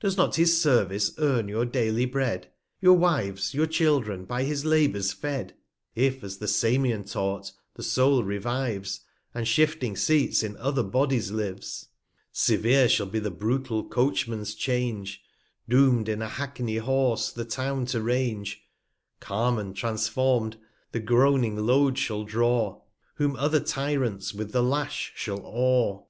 Does not his Service earn your daily Bread ? Your Wives, your Children, by his Labours fed! If, as the Samian taught, the Soul revives, 1 1 5 And shifting Seats, in other Bodies lives; Severe shall be the brutal Coachman's Change, Doom'd, in a Hackney Horse, the Town to range: Carmen, transfer m'd, the groaning Load shall draw, Whom other Tyrants, with the Lash, shall awe.